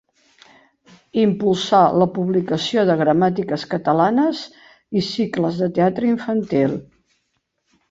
Impulsà la publicació de gramàtiques catalanes i cicles de teatre infantil.